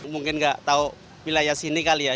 mungkin gak tau wilayah sini kali ya